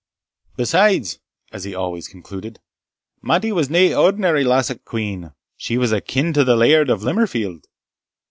Besides," as he always concluded, "Mattie was nae ordinary lassock quean; she was akin to the Laird o' Limmerfield."